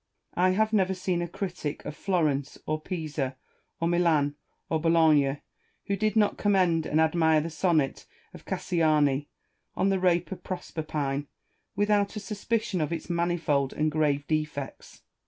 I have never seen a critic of Florence, or Pisa, or Milan, or Bologna, who did not com mend and admire the sonnet of Cassiani on the rape of Proserpine, without a suspicion of its manifold and grave defects.